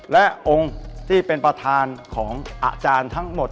และองค์ที่เป็นประธานของอาจารย์ทั้งหมด